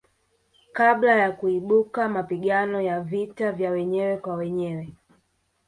Kabla ya kuibuka mapigano ya vita vya wenyewe kwa wenyewe